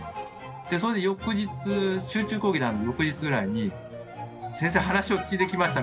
それで翌日集中講義の翌日ぐらいに「先生話を聞いてきました！」